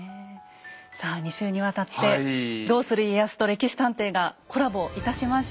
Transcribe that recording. さあ２週にわたって「どうする家康」と「歴史探偵」がコラボいたしました。